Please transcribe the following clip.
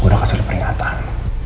gue udah kasih lo peringatan